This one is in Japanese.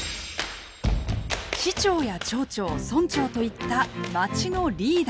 市長や町長村長といったまちのリーダー！